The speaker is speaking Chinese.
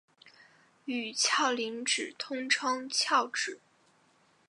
与鞘磷脂通称鞘脂。